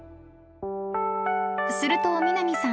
［すると南さん